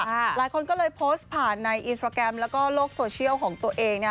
หลายคนก็เลยโพสต์ผ่านในอินสตราแกรมแล้วก็โลกโซเชียลของตัวเองนะ